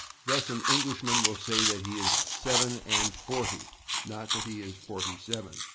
Thus, an Englishman will say that he is /seven and forty/, not that he is /forty seven